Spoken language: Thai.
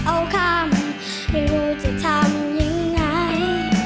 เอาข้ามไม่รู้จะทำยังไง